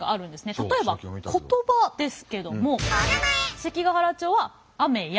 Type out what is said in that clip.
例えば言葉ですけども関ケ原町は「雨や」